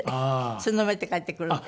つんのめって帰ってくるんで。